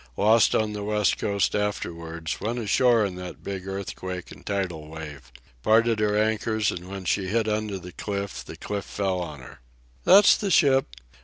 "Lost on the West Coast afterwards—went ashore in that big earthquake and tidal wave. Parted her anchors, and when she hit under the cliff, the cliff fell on her." "That's the ship.